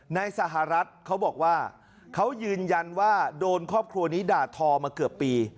ในสหรัฐเขาบอกว่าเขายืนยันว่าโดนครอบครัวนี้ด่าทอมาเกือบปี